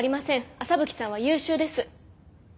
麻吹さんは優秀です。